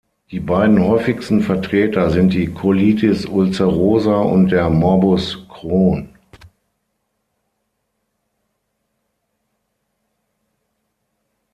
Die beiden häufigsten Vertreter sind die Colitis ulcerosa und der Morbus Crohn.